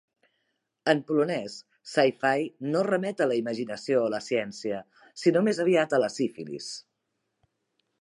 En polonès, "syfy" no remet a la imaginació o la ciència, sinó més aviat a la sífilis.